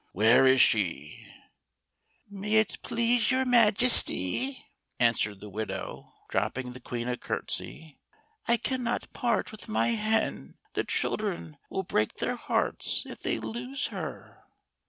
Where is she .'*"" May it please your Majesty," answered the widow, dropping the Queen a curtsey, " I cannot part with my hen. The children will break their hearts if they lose her."